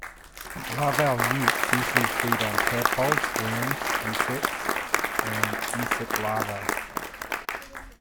Larval newts usually feed on tadpoles, worms, insects and insect larvae.